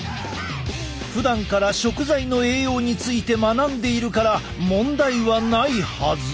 ふだんから食材の栄養について学んでいるから問題はないはず。